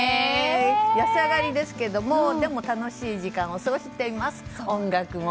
安上がりですが楽しい時間を過ごしています。